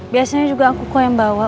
biasanya juga aku kok yang bawa